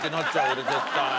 俺絶対。